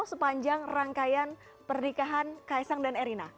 sepanjang rangkaian pernikahan kaisang dan erina